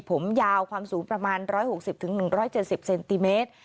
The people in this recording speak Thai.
ผมยาวความสูงประมาณ๑๖๐๑๗๐เซนติเมตร